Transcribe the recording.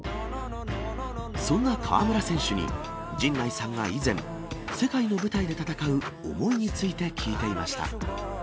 そんな河村選手に、陣内さんが以前、世界の舞台で戦う思いについて聞いていました。